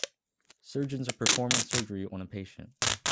Surgeons are performing surgery on a patient